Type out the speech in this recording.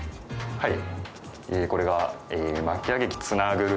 はい。